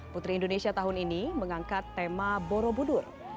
putri indonesia tahun ini mengangkat tema borobudur